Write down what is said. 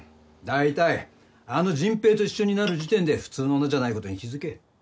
だいたいあの迅平と一緒になる時点で普通の女じゃないことに気付け。